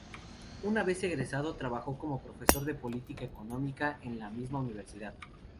Una vez egresado trabajó como Profesor de Política económica en la misma universidad.